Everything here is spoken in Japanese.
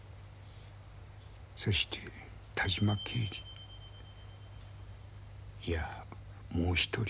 そして田島刑事いやもう一人。